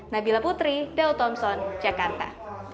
nabila putri daud thompson jakarta